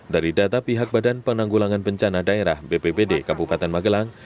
dari data pihak badan penanggulangan bencana daerah bpbd kabupaten magelang